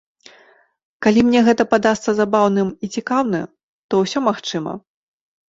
Калі мне гэта падасца забаўным і цікаўны, то ўсё магчыма.